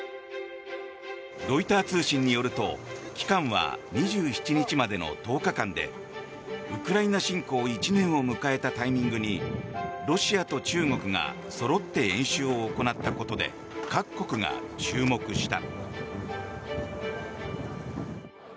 ロイター通信によると期間は２７日までの１０日間でウクライナ侵攻１年を迎えたタイミングにロシアと中国がそろって演習を行ったことで各国が注目した。